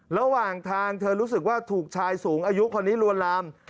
ระหว่างทางเธอรู้สึกว่าถูกชายสูงอายุคนนี้ลวนลาม